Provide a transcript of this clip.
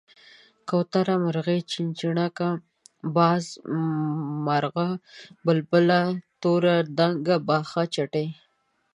کوتره، مرغۍ، چيرچيڼک، باز، مارغه ،بلبله، توره ڼکه، باښه، چتی،